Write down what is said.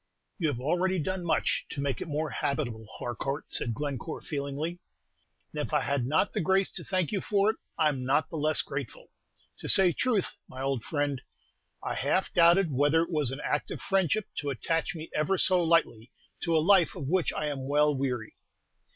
"You have already done much to make it more habitable, Harcourt," said Glencore, feelingly; "and if I had not the grace to thank you for it, I 'm not the less grateful. To say truth, my old friend, I half doubted whether it was an act of friendship to attach me ever so lightly to a life of which I am well weary.